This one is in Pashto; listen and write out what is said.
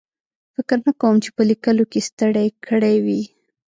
فکر نه کوم چې په لیکلو کې ستړی کړی وي.